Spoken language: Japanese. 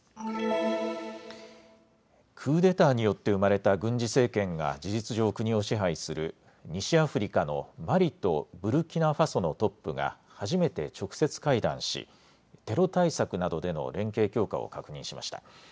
クーデターによって生まれた軍事政権が事実上、国を支配する西アフリカのマリとブルキナファソのトップが初めて直接会談しテロ対策などでの連携強化を確認しました。